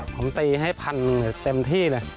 ผมตีให้๑๐๐๐บาทเต็มที่เลย